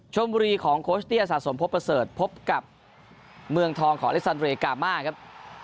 ชมบุรีของโคชเตี้ยสะสมพบประเสริฐพบกับเมืองทองของอเล็กซันเรกามาครับ